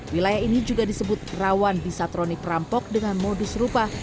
wilayah ini juga disebut rawan bisatronik perampok dengan modus rupa